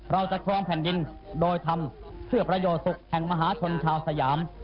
เราจะครองแผ่นดินโดยทำเพื่อประโยชน์สุขแห่งมหาชนชาวสยาม